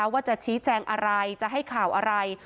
ว่าจะชี้แจงอะไรจะให้ข่าวอะไร